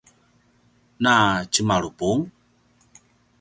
na tjemalupung?